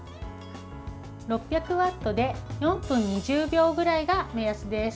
６００ワットで４分２０秒ぐらいが目安です。